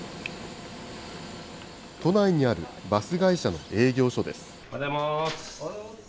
都内にあるバス会社の営業所です。